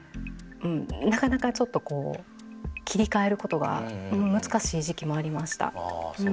なかなかちょっとこう切り替えることは難しい時期もありました。